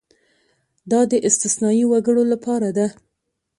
دا د استثنايي وګړو لپاره ده.